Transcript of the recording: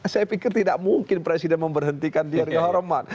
saya pikir tidak mungkin presiden memberhentikan dia dengan hormat